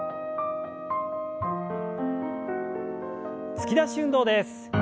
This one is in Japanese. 突き出し運動です。